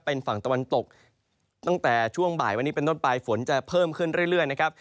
เป็นฝั่งตะวันตกตั้งแต่ช่วงบ่ายวันนี้เป็นต้นไปฝนจะเพิ่มขึ้นเรื่อยนะครับ